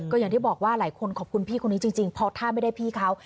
อย่างที่บอกว่าหลายคนขอบคุณพี่คนนี้จริงเพราะถ้าไม่ได้พี่เขา